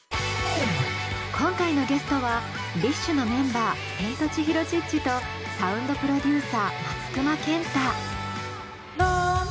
今回のゲストはＢｉＳＨのメンバーセントチヒロ・チッチとサウンドプロデューサー松隈ケンタ。